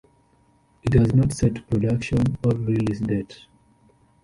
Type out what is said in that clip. It has no set production or release date.